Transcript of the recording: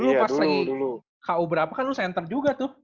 dulu pas lagi ku berapa kan lu center juga tuh